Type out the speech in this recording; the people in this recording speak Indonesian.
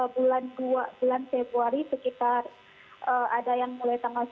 jadi bulan februari sekitar ada yang mulai tanggal sepuluh